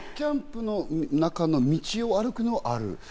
キャンプの中の道を歩くのはある。